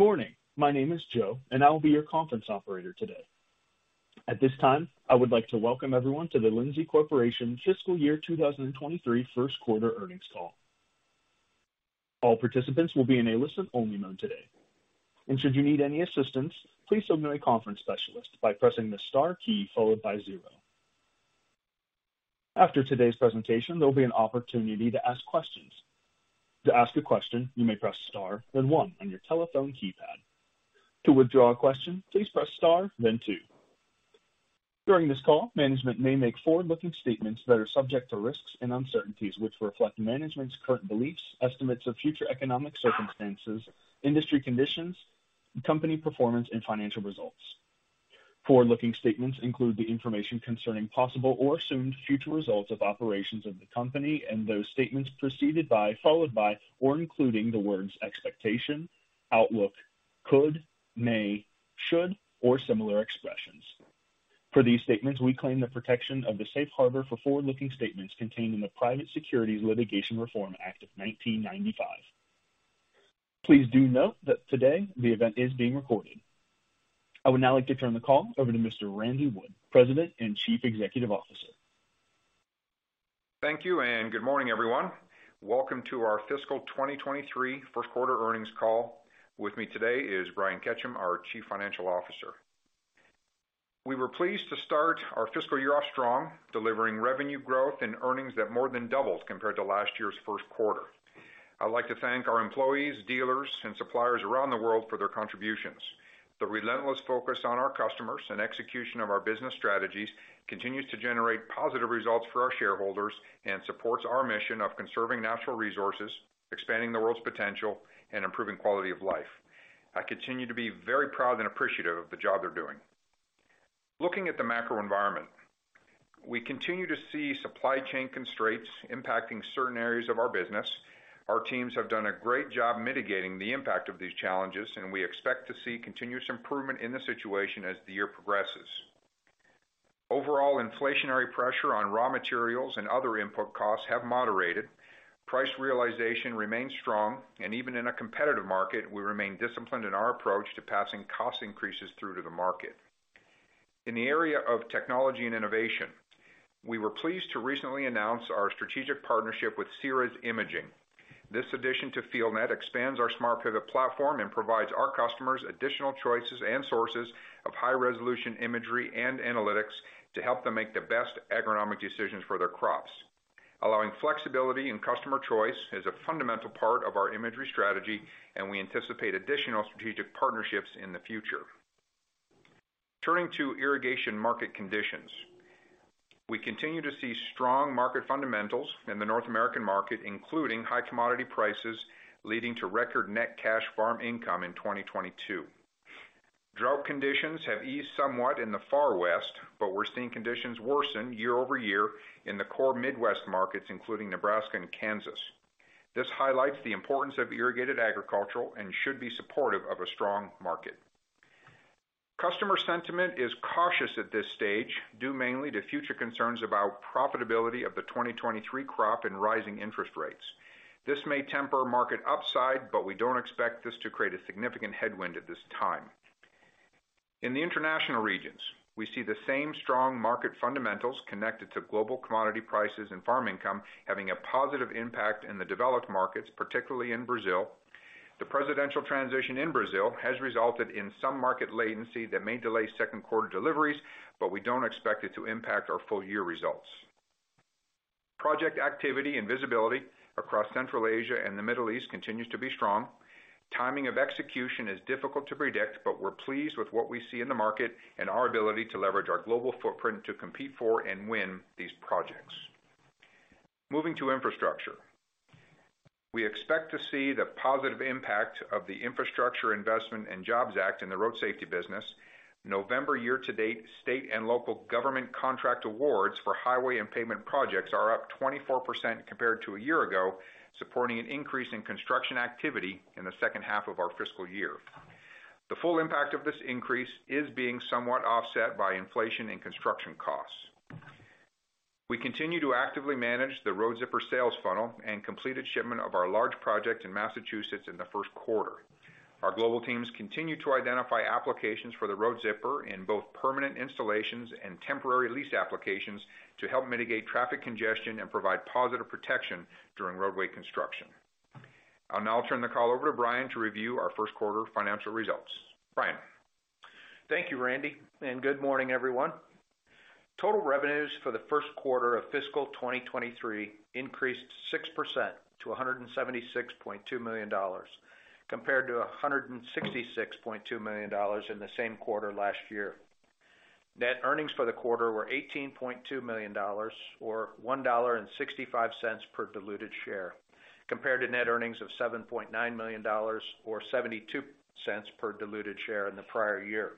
Good morning. My name is Joe, and I will be your conference operator today. At this time, I would like to welcome everyone to the Lindsay Corporation Fiscal Year 2023 first quarter earnings call. All participants will be in a listen-only mode today. Should you need any assistance, please open a conference specialist by pressing the star key followed by zero. After today's presentation, there'll be an opportunity to ask questions. To ask a question, you may press star, then one on your telephone keypad. To withdraw a question, please press star, then two. During this call, management may make forward-looking statements that are subject to risks and uncertainties, which reflect management's current beliefs, estimates of future economic circumstances, industry conditions, company performance, and financial results. Forward-looking statements include the information concerning possible or assumed future results of operations of the company and those statements preceded by, followed by, or including the words expectation, outlook, could, may, should, or similar expressions. For these statements, we claim the protection of the safe harbor for forward-looking statements contained in the Private Securities Litigation Reform Act of 1995. Please do note that today the event is being recorded. I would now like to turn the call over to Mr. Randy Wood, President and Chief Executive Officer. Thank you, good morning, everyone. Welcome to our fiscal 2023 first quarter earnings call. With me today is Brian Ketcham, our Chief Financial Officer. We were pleased to start our fiscal year off strong, delivering revenue growth and earnings that more than doubled compared to last year's first quarter. I'd like to thank our employees, dealers, and suppliers around the world for their contributions. The relentless focus on our customers and execution of our business strategies continues to generate positive results for our shareholders and supports our mission of conserving natural resources, expanding the world's potential, and improving quality of life. I continue to be very proud and appreciative of the job they're doing. Looking at the macro environment, we continue to see supply chain constraints impacting certain areas of our business. Our teams have done a great job mitigating the impact of these challenges, and we expect to see continuous improvement in the situation as the year progresses. Overall inflationary pressure on raw materials and other input costs have moderated. Price realization remains strong, and even in a competitive market, we remain disciplined in our approach to passing cost increases through to the market. In the area of technology and innovation, we were pleased to recently announce our strategic partnership with Ceres Imaging. This addition to FieldNET expands our SmartPivot platform and provides our customers additional choices and sources of high-resolution imagery and analytics to help them make the best agronomic decisions for their crops. Allowing flexibility in customer choice is a fundamental part of our imagery strategy, and we anticipate additional strategic partnerships in the future. Turning to irrigation market conditions. We continue to see strong market fundamentals in the North American market, including high commodity prices, leading to record net cash farm income in 2022. Drought conditions have eased somewhat in the Far West, but we're seeing conditions worsen year-over-year in the core Midwest markets, including Nebraska and Kansas. This highlights the importance of irrigated agricultural and should be supportive of a strong market. Customer sentiment is cautious at this stage, due mainly to future concerns about profitability of the 2023 crop and rising interest rates. This may temper market upside, but we don't expect this to create a significant headwind at this time. In the international regions, we see the same strong market fundamentals connected to global commodity prices and farm income having a positive impact in the developed markets, particularly in Brazil. The presidential transition in Brazil has resulted in some market latency that may delay second quarter deliveries, but we don't expect it to impact our full-year results. Project activity and visibility across Central Asia and the Middle East continues to be strong. Timing of execution is difficult to predict, but we're pleased with what we see in the market and our ability to leverage our global footprint to compete for and win these projects. Moving to infrastructure. We expect to see the positive impact of the Infrastructure Investment and Jobs Act in the road safety business. November year-to-date, state and local government contract awards for highway and pavement projects are up 24% compared to a year ago, supporting an increase in construction activity in the second half of our fiscal year. The full impact of this increase is being somewhat offset by inflation and construction costs. We continue to actively manage the Road Zipper sales funnel and completed shipment of our large project in Massachusetts in the first quarter. Our global teams continue to identify applications for the Road Zipper in both permanent installations and temporary lease applications to help mitigate traffic congestion and provide positive protection during roadway construction. I'll now turn the call over to Brian to review our first quarter financial results. Brian? Thank you, Randy, and good morning, everyone. Total revenues for the first quarter of fiscal 2023 increased 6% to $176.2 million, compared to $166.2 million in the same quarter last year. Net earnings for the quarter were $18.2 million or $1.65 per diluted share, compared to net earnings of $7.9 million or $0.72 per diluted share in the prior year.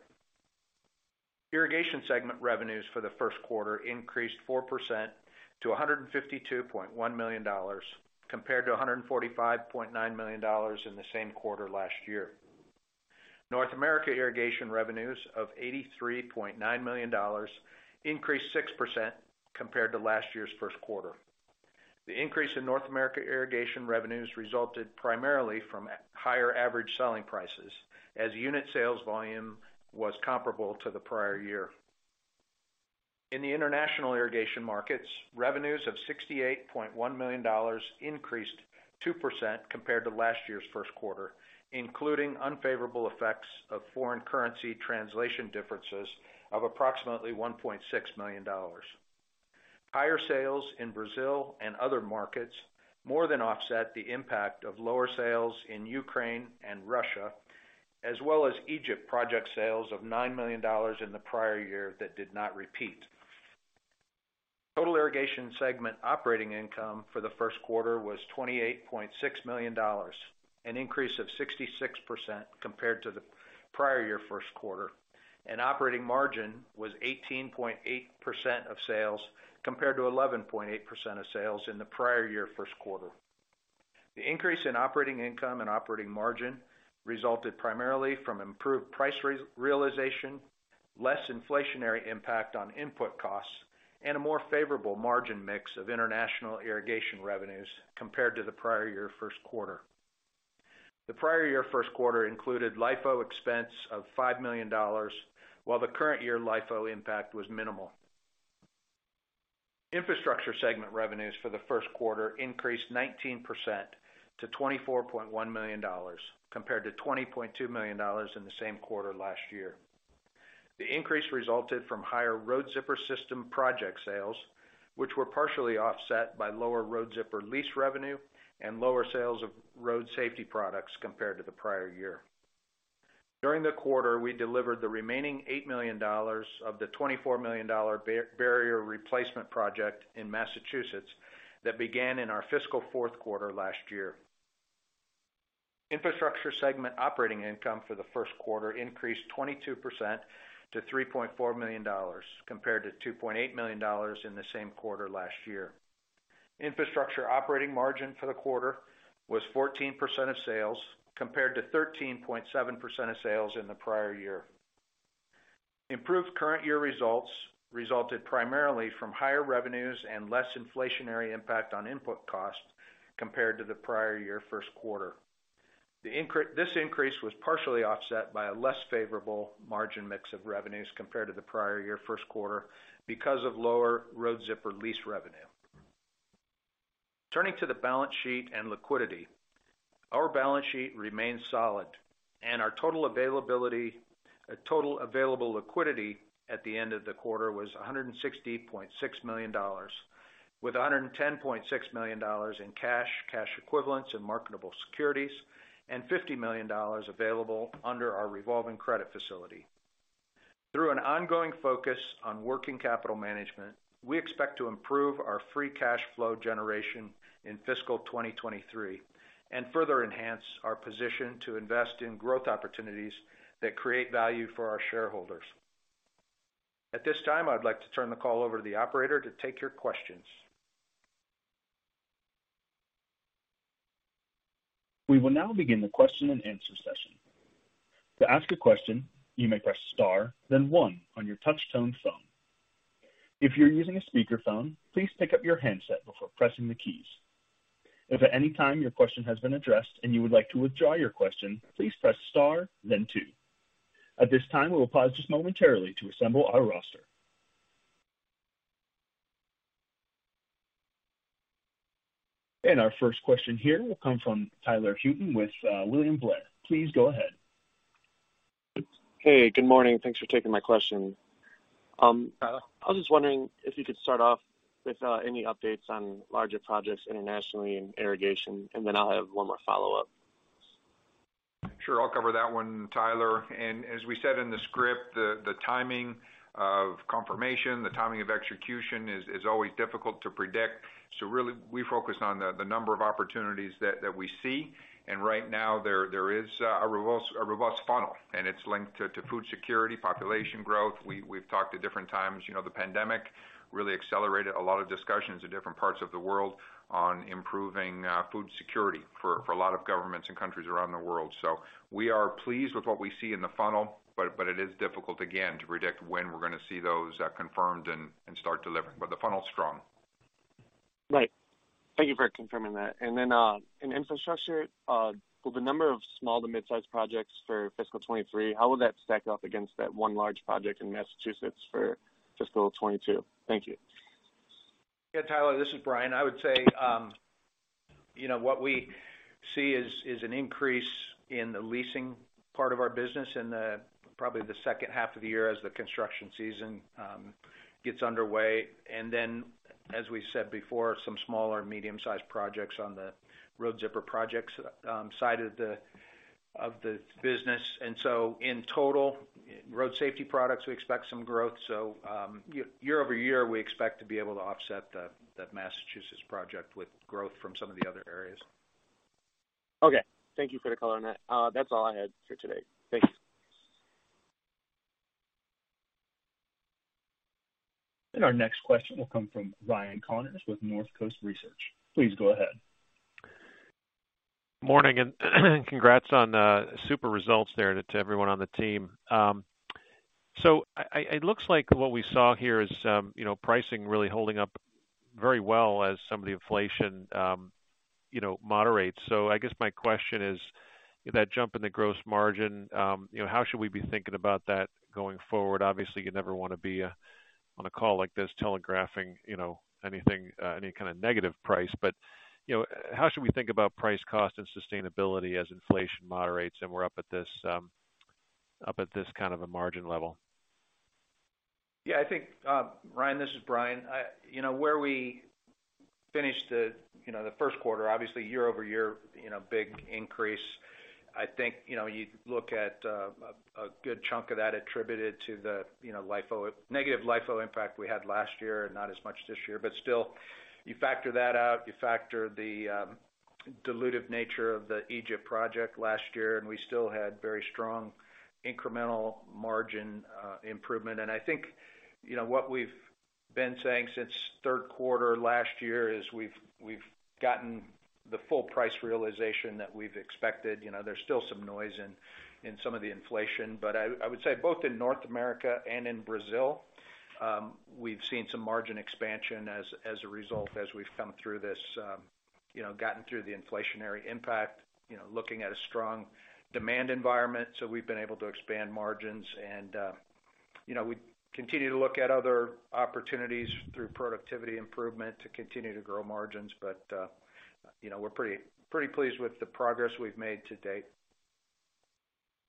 Irrigation segment revenues for the first quarter increased 4% to $152.1 million, compared to $145.9 million in the same quarter last year. North America irrigation revenues of $83.9 million increased 6% compared to last year's first quarter. The increase in North America irrigation revenues resulted primarily from higher average selling prices as unit sales volume was comparable to the prior year. In the international irrigation markets, revenues of $68.1 million increased 2% compared to last year's first quarter, including unfavorable effects of foreign currency translation differences of approximately $1.6 million. Higher sales in Brazil and other markets more than offset the impact of lower sales in Ukraine and Russia, as well as Egypt project sales of $9 million in the prior year that did not repeat. Total irrigation segment operating income for the first quarter was $28.6 million, an increase of 66% compared to the prior year first quarter, and operating margin was 18.8% of sales compared to 11.8% of sales in the prior year first quarter. The increase in operating income and operating margin resulted primarily from improved price re-realization, less inflationary impact on input costs, and a more favorable margin mix of international irrigation revenues compared to the prior year first quarter. The prior year first quarter included LIFO expense of $5 million, while the current year LIFO impact was minimal. Infrastructure segment revenues for the first quarter increased 19% to $24.1 million, compared to $20.2 million in the same quarter last year. The increase resulted from higher Road Zipper System project sales, which were partially offset by lower Road Zipper lease revenue and lower sales of road safety products compared to the prior year. During the quarter, we delivered the remaining $8 million of the $24 million bar-barrier replacement project in Massachusetts that began in our fiscal fourth quarter last year. Infrastructure segment operating income for the first quarter increased 22% to $3.4 million, compared to $2.8 million in the same quarter last year. Infrastructure operating margin for the quarter was 14% of sales, compared to 13.7% of sales in the prior year. Improved current year results resulted primarily from higher revenues and less inflationary impact on input costs compared to the prior year first quarter. This increase was partially offset by a less favorable margin mix of revenues compared to the prior year first quarter because of lower Road Zipper lease revenue. Turning to the balance sheet and liquidity. Our balance sheet remains solid and our total available liquidity at the end of the quarter was $160.6 million, with $110.6 million in cash equivalents, and marketable securities, and $50 million available under our revolving credit facility. Through an ongoing focus on working capital management, we expect to improve our free cash flow generation in fiscal 2023 and further enhance our position to invest in growth opportunities that create value for our shareholders. At this time, I'd like to turn the call over to the operator to take your questions. We will now begin the question-and-answer session. To ask a question, you may press star then one on your touch tone phone. If you're using a speakerphone, please pick up your handset before pressing the keys. If at any time your question has been addressed and you would like to withdraw your question, please press star then two. At this time, we will pause just momentarily to assemble our roster. Our first question here will come from Tyler Hutin with William Blair. Please go ahead. Hey, good morning. Thanks for taking my question. I was just wondering if you could start off with, any updates on larger projects internationally in irrigation, and then I'll have one more follow-up. Sure. I'll cover that one, Tyler. As we said in the script, the timing of confirmation, the timing of execution is always difficult to predict. Really we focus on the number of opportunities that we see. Right now there is a robust funnel, and it's linked to food security, population growth. We've talked at different times. You know, the pandemic really accelerated a lot of discussions in different parts of the world on improving food security for a lot of governments and countries around the world. We are pleased with what we see in the funnel, but it is difficult again to predict when we're gonna see those confirmed and start delivering. The funnel's strong. Right. Thank you for confirming that. In infrastructure, with the number of small to mid-sized projects for fiscal 2023, how will that stack up against that one large project in Massachusetts for fiscal 2022? Thank you. Yeah. Tyler, this is Brian. I would say, you know, what we see is an increase in the leasing part of our business in the, probably the second half of the year as the construction season, gets underway. As we said before, some small or medium sized projects on the Road Zipper projects, side of the, of the business. In total road safety products, we expect some growth. Year-over-year, we expect to be able to offset the Massachusetts project with growth from some of the other areas. Okay. Thank you for the color on that. That's all I had for today. Thank you. Our next question will come from Ryan Connors with Northcoast Research. Please go ahead. Morning. Congrats on the super results there to everyone on the team. I it looks like what we saw here is, you know, pricing really holding up very well as some of the inflation, you know, moderates. I guess my question is that jump in the gross margin, you know, how should we be thinking about that going forward? Obviously, you never wanna be on a call like this telegraphing, you know, anything, any kind of negative price. You know, how should we think about price, cost, and sustainability as inflation moderates and we're up at this, up at this kind of a margin level? Yeah, I think, Ryan, this is Brian. You know, where we finished the, you know, the first quarter, obviously year-over-year, you know, big increase. I think, you know, you look at a good chunk of that attributed to the, you know, LIFO negative LIFO impact we had last year, and not as much this year. Still, you factor that out, you factor the dilutive nature of the Egypt project last year, and we still had very strong incremental margin improvement. I think, you know, what we've been saying since third quarter last year is we've gotten the full price realization that we've expected. You know, there's still some noise in some of the inflation, I would say both in North America and in Brazil, we've seen some margin expansion as a result, as we've come through this, you know, gotten through the inflationary impact, you know, looking at a strong demand environment. We've been able to expand margins and, you know, we continue to look at other opportunities through productivity improvement to continue to grow margins. You know, we're pretty pleased with the progress we've made to date.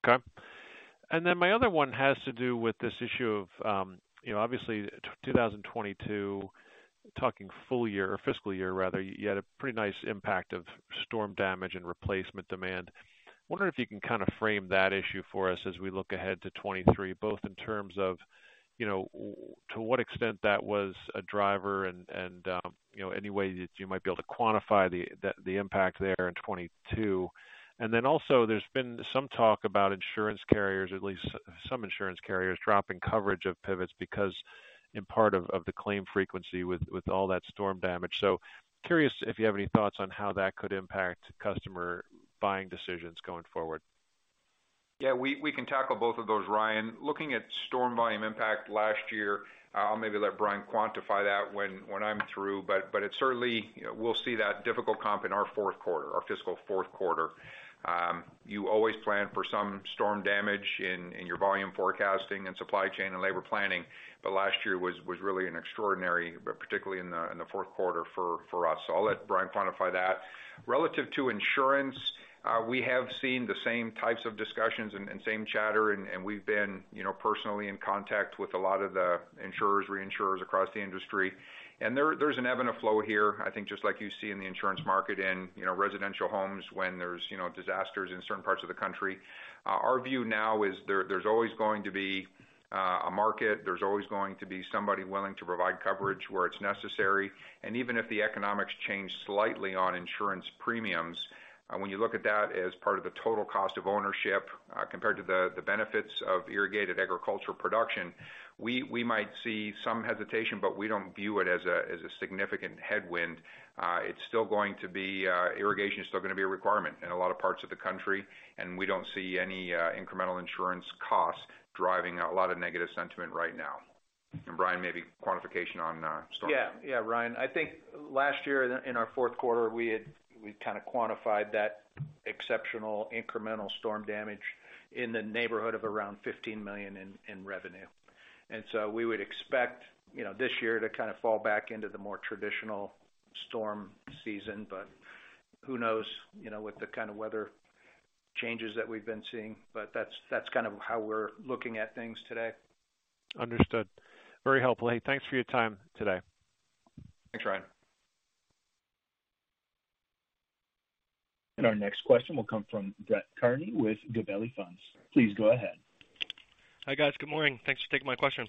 Okay. My other one has to do with this issue of, you know, obviously 2022 talking full year or fiscal year rather, you had a pretty nice impact of storm damage and replacement demand. Wondering if you can kind of frame that issue for us as we look ahead to 2023, both in terms of, you know, to what extent that was a driver and, you know, any way that you might be able to quantify the impact there in 2022. Also there's been some talk about insurance carriers, at least some insurance carriers dropping coverage of pivots because in part of the claim frequency with all that storm damage. Curious if you have any thoughts on how that could impact customer buying decisions going forward. Yeah, we can tackle both of those, Ryan. Looking at storm volume impact last year, I'll maybe let Brian quantify that when I'm through, but it certainly we'll see that difficult comp in our fourth quarter, our fiscal fourth quarter. You always plan for some storm damage in your volume forecasting and supply chain and labor planning, but last year was really an extraordinary, but particularly in the fourth quarter for us. I'll let Brian quantify that. Relative to insurance, we have seen the same types of discussions and same chatter, and we've been, you know, personally in contact with a lot of the insurers, reinsurers across the industry. There's an ebb and a flow here, I think just like you see in the insurance market in, you know, residential homes when there's, you know, disasters in certain parts of the country. Our view now is there's always going to be a market. There's always going to be somebody willing to provide coverage where it's necessary. Even if the economics change slightly on insurance premiums, when you look at that as part of the total cost of ownership, compared to the benefits of irrigated agricultural production, we might see some hesitation, but we don't view it as a significant headwind. Irrigation is still gonna be a requirement in a lot of parts of the country. We don't see any incremental insurance costs driving a lot of negative sentiment right now. Brian, maybe quantification on storm. Yeah. Yeah, Ryan. I think last year in our fourth quarter, we kind of quantified that exceptional incremental storm damage in the neighborhood of around $15 million in revenue. We would expect, you know, this year to kind of fall back into the more traditional storm season. Who knows, you know, with the kind of weather changes that we've been seeing. That's kind of how we're looking at things today. Understood. Very helpful. Hey, thanks for your time today. Thanks, Ryan. Our next question will come from Brett Kearney with Gabelli Funds. Please go ahead. Hi, guys. Good morning. Thanks for taking my question.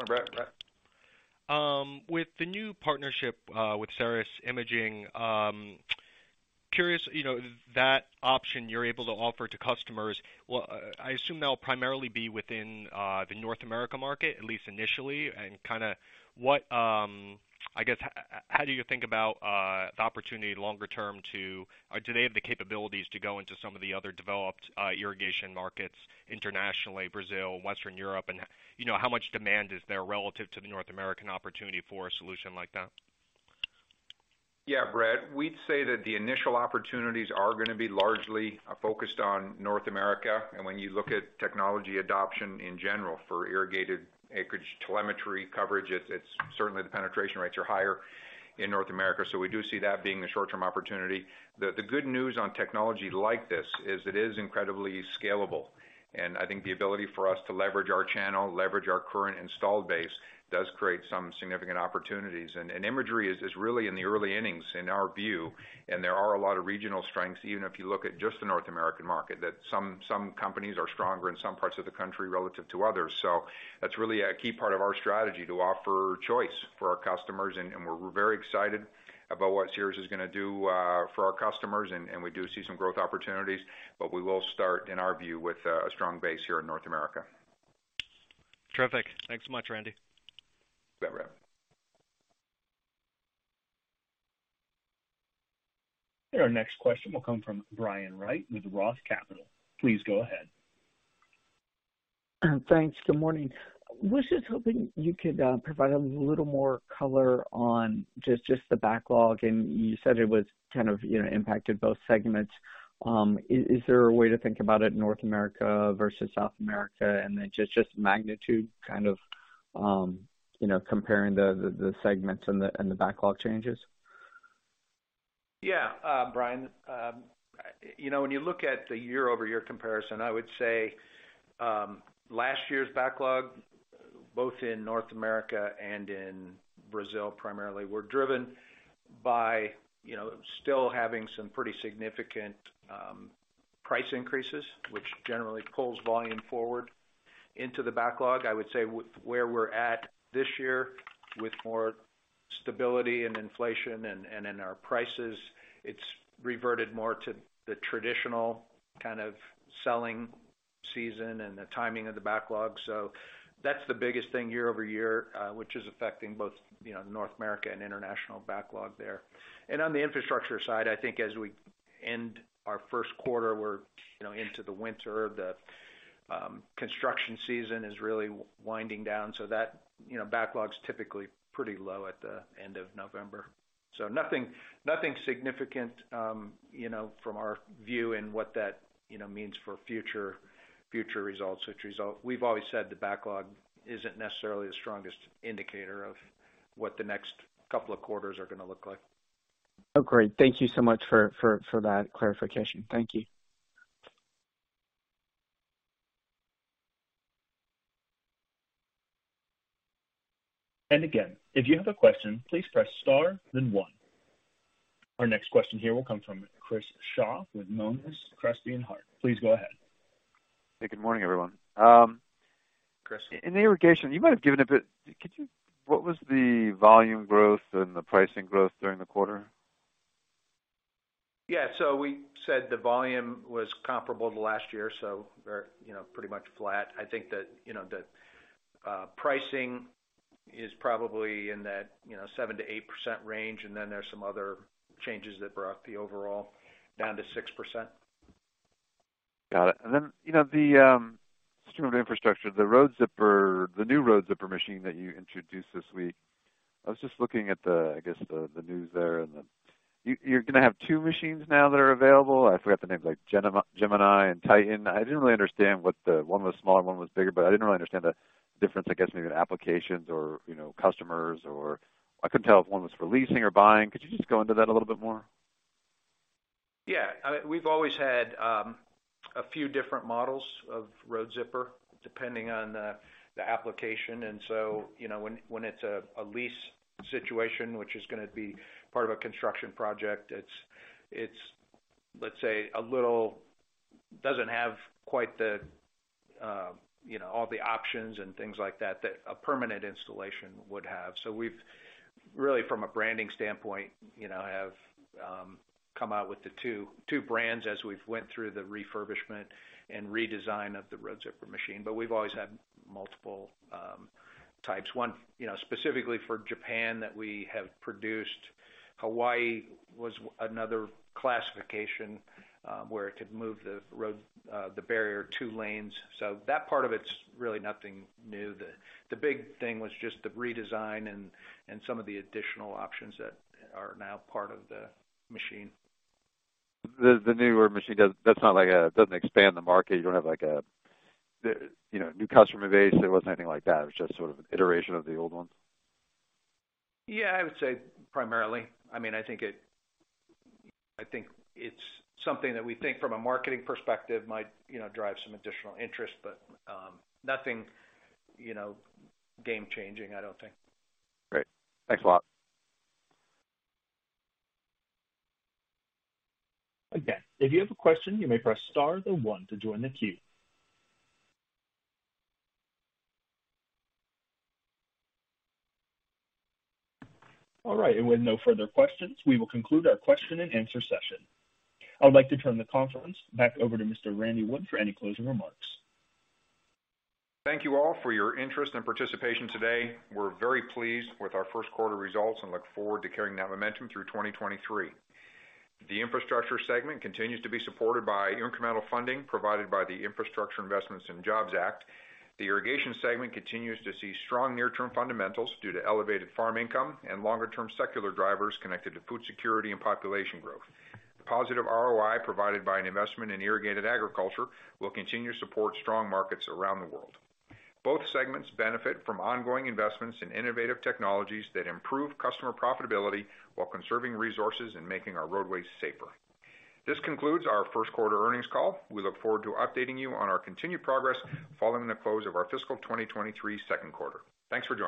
Hi, Brett. With the new partnership, with Ceres Imaging, curious, you know, that option you're able to offer to customers? Well, I assume that'll primarily be within the North America market, at least initially. Kinda what, I guess, how do you think about the opportunity longer term or do they have the capabilities to go into some of the other developed irrigation markets internationally, Brazil, Western Europe? You know, how much demand is there relative to the North American opportunity for a solution like that? Yeah, Brett. We'd say that the initial opportunities are gonna be largely focused on North America. When you look at technology adoption in general for irrigated acreage telemetry coverage, it's certainly the penetration rates are higher in North America. We do see that being a short-term opportunity. The good news on technology like this is it is incredibly scalable, and I think the ability for us to leverage our channel, leverage our current installed base does create some significant opportunities. Imagery is really in the early innings in our view. There are a lot of regional strengths, even if you look at just the North American market, that some companies are stronger in some parts of the country relative to others. That's really a key part of our strategy to offer choice for our customers, and we're very excited about what Ceres is gonna do for our customers, and we do see some growth opportunities. We will start, in our view, with a strong base here in North America. Terrific. Thanks so much, Randy. You bet, Brett. Our next question will come from Brian Wright with Roth Capital. Please go ahead. Thanks. Good morning. Was just hoping you could provide a little more color on just the backlog. You said it was kind of, you know, impacted both segments. Is there a way to think about it North America versus South America? Just magnitude kind of, you know, comparing the segments and the backlog changes? Yeah. Brian, you know, when you look at the year-over-year comparison, I would say, last year's backlog, both in North America and in Brazil primarily, were driven by, you know, still having some pretty significant price increases, which generally pulls volume forward into the backlog. I would say where we're at this year with more stability and inflation and in our prices, it's reverted more to the traditional kind of selling season and the timing of the backlog. That's the biggest thing year-over-year, which is affecting both, you know, North America and international backlog there. On the infrastructure side, I think as we end our first quarter, we're, you know, into the winter, the construction season is really winding down, so that, you know, backlog's typically pretty low at the end of November. Nothing, nothing significant, you know, from our view and what that, you know, means for future results. We've always said the backlog isn't necessarily the strongest indicator of what the next couple of quarters are going to look like. Oh, great. Thank you so much for that clarification. Thank you. Again, if you have a question, please press star then one. Our next question here will come from Chris Shaw with Monness, Crespi and Hardt. Please go ahead. Hey, good morning, everyone. Chris. What was the volume growth and the pricing growth during the quarter? Yeah. We said the volume was comparable to last year, so we're, you know, pretty much flat. I think that, you know, the pricing is probably in that, you know, 7%-8% range, and then there's some other changes that brought the overall down to 6%. Got it. You know, the stream of infrastructure, the Road Zipper, the new Road Zipper machine that you introduced this week, I was just looking at the, I guess, the news there and the. You're gonna have two machines now that are available. I forgot the names, like Gemini and Titan. I didn't really understand one was smaller, one was bigger, but I didn't really understand the difference, I guess, maybe in applications or, you know, customers or I couldn't tell if one was for leasing or buying. Could you just go into that a little bit more? Yeah. I mean, we've always had a few different models of Road Zipper, depending on the application. You know, when it's a lease situation, which is gonna be part of a construction project, it's, let's say, doesn't have quite the, you know, all the options and things like that a permanent installation would have. We've really, from a branding standpoint, you know, have come out with the two brands as we've went through the refurbishment and redesign of the Road Zipper machine. We've always had multiple types. One, you know, specifically for Japan that we have produced. Hawaii was another classification, where it could move the road, the barrier two lanes. That part of it's really nothing new. The big thing was just the redesign and some of the additional options that are now part of the machine. The newer machine does sound like it doesn't expand the market. You don't have like a, you know, new customer base. There wasn't anything like that. It was just sort of an iteration of the old ones. I would say primarily. I mean, I think it's something that we think from a marketing perspective might, you know, drive some additional interest, but nothing, you know, game changing, I don't think. Great. Thanks a lot. Again, if you have a question, you may press star then one to join the queue. All right. With no further questions, we will conclude our question and answer session. I would like to turn the conference back over to Mr. Randy Wood for any closing remarks. Thank you all for your interest and participation today. We're very pleased with our first quarter results and look forward to carrying that momentum through 2023. The infrastructure segment continues to be supported by incremental funding provided by the Infrastructure Investment and Jobs Act. The irrigation segment continues to see strong near-term fundamentals due to elevated farm income and longer-term secular drivers connected to food security and population growth. The positive ROI provided by an investment in irrigated agriculture will continue to support strong markets around the world. Both segments benefit from ongoing investments in innovative technologies that improve customer profitability while conserving resources and making our roadways safer. This concludes our first quarter earnings call. We look forward to updating you on our continued progress following the close of our fiscal 2023 second quarter. Thanks for joining.